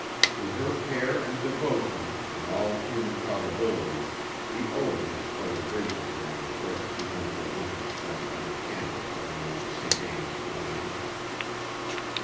To her care and devotion, in all human probability, he owed his preservation during the first eventful winter spent under canvas on the old St. Ann's plain.